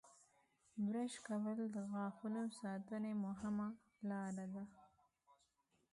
• برش کول د غاښونو ساتنې مهمه لاره ده.